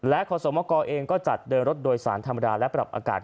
และขก็จัดเดินรถโดยสารธรรมดาและปรับอากาศ